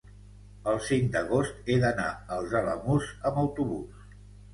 el cinc d'agost he d'anar als Alamús amb autobús.